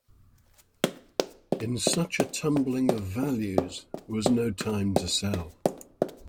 In such a tumbling of values was no time to sell.